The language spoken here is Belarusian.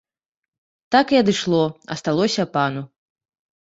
Так і адышло, асталося пану.